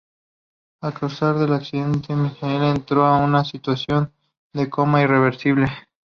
A causa del accidente Michaela entró en una situación de coma irreversible.